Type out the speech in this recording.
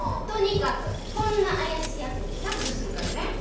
とにかくこんな怪しいアプリ削除するからね。